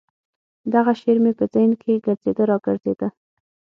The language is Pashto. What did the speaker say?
دغه شعر مې په ذهن کښې ګرځېده راګرځېده.